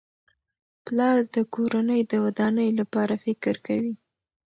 پلار د کورنۍ د ودانۍ لپاره فکر کوي.